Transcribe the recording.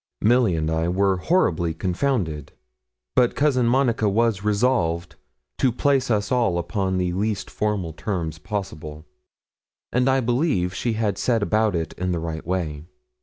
"' Milly and I were horribly confounded, but Cousin Monica was resolved to place us all upon the least formal terms possible, and I believe she had set about it in the right way.